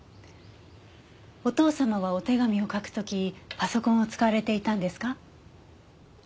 お父様はお手紙を書く時パソコンを使われていたんですか？